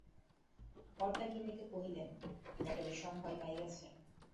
কর্তা গিন্নিকে কহিলেন, বেটা বিষম ভয় পাইয়াছে।